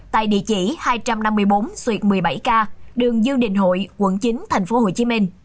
tại địa chỉ hai trăm năm mươi bốn xuyệt một mươi bảy k đường dương đình hội quận chín tp hcm